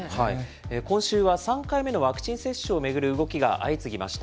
今週は３回目のワクチン接種を巡る動きが相次ぎました。